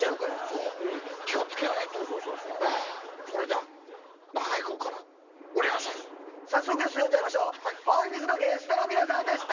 それでは早速ゲスト呼んじゃいましょう本日のゲストの皆さんです